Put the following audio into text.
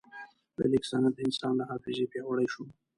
د لیک سند د انسان له حافظې پیاوړی شو.